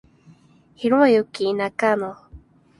Hiroyuki Nakano